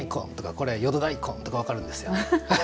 これ淀大根とか分かるんですよ。